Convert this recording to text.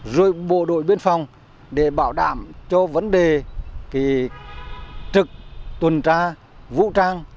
rồi bộ đội biên phòng để bảo đảm cho vấn đề trực tuần tra vũ trang